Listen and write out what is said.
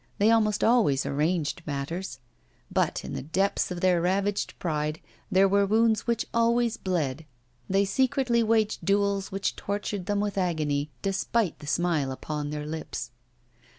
They almost always arranged matters. But in the depths of their ravaged pride there were wounds which always bled; they secretly waged duels which tortured them with agony, despite the smile upon their lips.